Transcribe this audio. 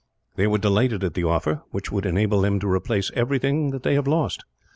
They were delighted at the offer, which would enable them to replace everything that they have lost.